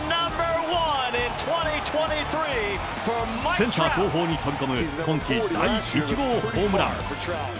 センター後方に飛び込む、今季第１号ホームラン。